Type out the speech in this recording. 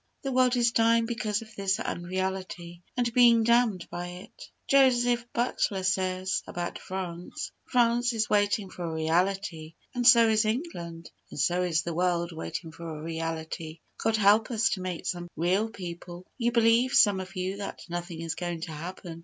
The world is dying because of this unreality, and being damned by it. Josephine Butler says, about France, "France is waiting for a reality:" and so is England, and so is the world waiting for a reality. God help us to make some real people. You believe, some of you, that nothing is going to happen.